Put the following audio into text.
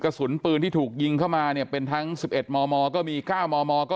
กระสุนปืนที่ถูกยิงเข้ามาเนี่ยเป็นทั้ง๑๑มมก็มี๙มมก็